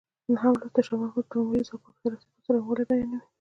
نهم لوست د شاه محمود لومړی ځل واک ته رسېدو څرنګوالی بیانوي.